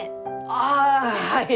ああはい！